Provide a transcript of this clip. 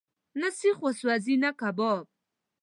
نه سیخ وسوځېد، نه کباب.